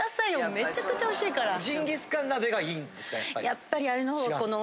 やっぱりあれの方この。